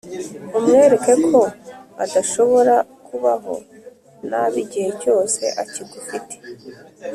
umwereke ko adashobora kubaho nabi igihe cyose akigufite.